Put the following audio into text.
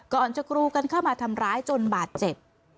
ก่อนจะกรูกันเข้ามาทำร้ายจนบาดเจ็บ